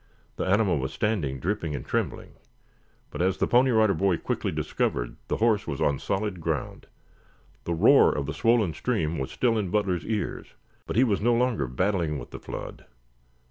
The animal was standing dripping and trembling, but, as the Pony Rider Boy quickly discovered, the horse was on solid ground. The roar of the swollen stream was still in Butler's ears, but he was no longer battling with the flood.